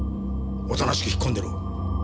おとなしく引っ込んでろ。